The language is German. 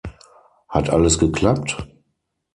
Hat alles geklappt?